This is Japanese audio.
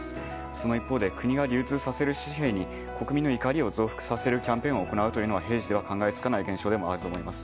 その一方で国が流通させる紙幣に国民の怒りを増幅させるキャンペーンを行うのは平時では考えつかない現象でもあると思います。